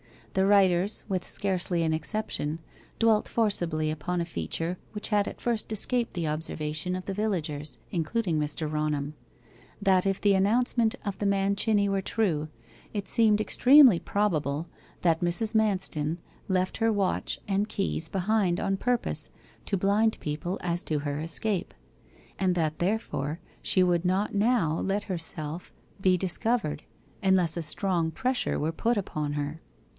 The writers, with scarcely an exception, dwelt forcibly upon a feature which had at first escaped the observation of the villagers, including Mr. Raunham that if the announcement of the man Chinney were true, it seemed extremely probable that Mrs. Manston left her watch and keys behind on purpose to blind people as to her escape; and that therefore she would not now let herself be discovered, unless a strong pressure were put upon her.